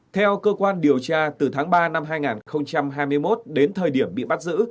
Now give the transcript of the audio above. theo cơ quan điều tra từ tháng ba năm hai nghìn hai mươi một đến thời điểm bị bắt giữ